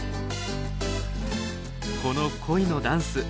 この恋のダンス。